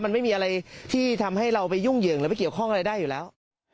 มันไม่มีอะไรที่ทำให้เราไปยุ่งเหยิงหรือไปเกี่ยวข้องอะไรได้อยู่แล้ว